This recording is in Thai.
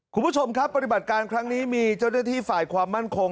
คุณผู้ชมครับปฏิบัติการครั้งนี้มีเจ้าหน้าที่ฝ่ายความมั่นคง